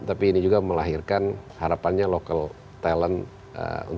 tapi ini juga melahirkan harapannya local talent untuk bisa menjadi technician atau technician